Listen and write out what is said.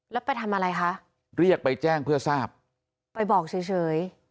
แล้วไปทำอะไรคะเรียกไปแจ้งเพื่อทราบไปบอกเฉยเฉย